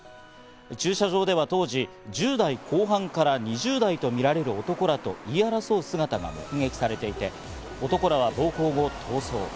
駐車場では当時、１０代後半から２０代とみられる男らと言い争う姿が目撃されていて、男らは暴行後、逃走。